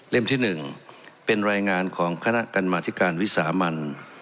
ที่๑เป็นรายงานของคณะกรรมธิการวิสามัน